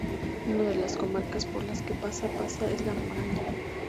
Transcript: Uno de las comarcas por los que pasa pasa es la Moraña.